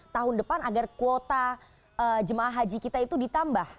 tahun depan agar kuota jemaah haji kita itu ditambah